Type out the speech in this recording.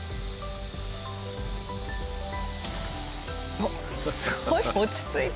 うわっすごい落ち着いて。